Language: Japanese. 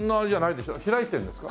開いてるんですか？